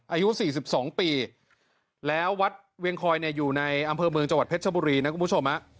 อายุ๔๒ปีแล้ววัดเวียงคอยเนี่ยอยู่ในอำเภอเมืองจังหวัดเพชรชบุรีนะคุณผู้ชม